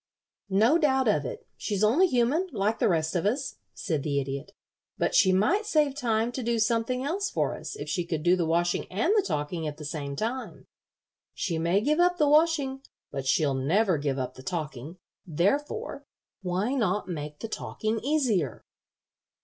"No doubt of it; she's only human, like the rest of us," said the Idiot. "But she might save time to do something else for us if she could do the washing and the talking at the same time. She may give up the washing, but she'll never give up the talking. Therefore, why not make the talking easier?"